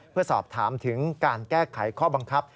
เพื่อสอบถามถึงการแก้ไขข้อบังคับ